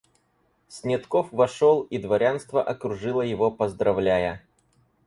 Снетков вошел, и дворянство окружило его поздравляя.